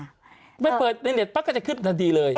ต้องรู้ไม่เปิดในเน็ตปั๊กก็จะขึ้นทันทีเลย